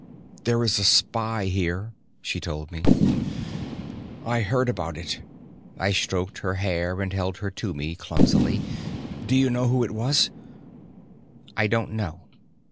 "There is a spy here," she told me. "I heard about it." I stroked her hair and held her to me, clumsily. "Do you know who it was?" "I don't know.